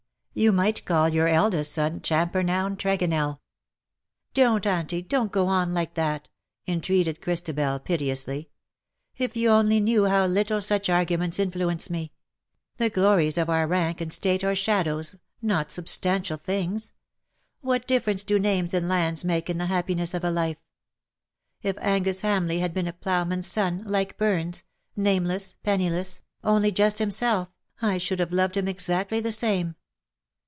You might call your eldest son Cham pernowne Tregonell. '^'' Don^t;, Auntie,, don^t go on like that/^ entreated Christabelj piteously :^^ if you only knew how little such arguments influence me :^ the glories of our rank and state are shadows^ not substantial things."* What difference do names and lands make in the happiness of a life ? If Angus Hamleigh had been a ploughman's son^ like Burns — nameless — penniless — only just himself, I should have loved him exactly the same.